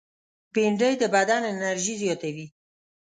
بېنډۍ د بدن انرژي زیاتوي